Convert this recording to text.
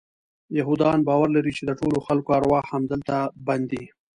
یهودان باور لري چې د ټولو خلکو ارواح همدلته بند دي.